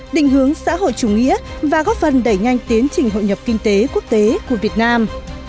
định hướng xã hội chủ nghĩa và góp phần đẩy nhanh tiến trình hội nhập kinh tế quốc tế của việt nam